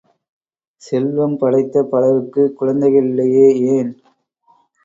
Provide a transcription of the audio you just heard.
செல்வம் படைத்த பலருக்குக் குழந்தை இல்லையே ஏன்?